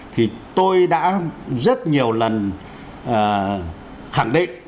thì tôi đã rất nhiều lần khẳng định